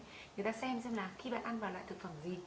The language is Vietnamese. người ta xem xem là khi đã ăn vào loại thực phẩm gì